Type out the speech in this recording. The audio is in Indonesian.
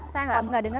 saya nggak dengar